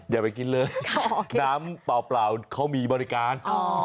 อย่าไปกินเลยน้ำเปล่าเขามีบริการ